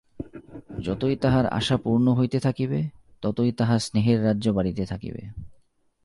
যতই তাঁহার আশা পূর্ণ হইতে থাকিবে, ততই তাঁহার স্নেহের রাজ্য বাড়িতে থাকিবে।